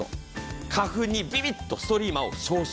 花粉にビビッとストリーマを照射。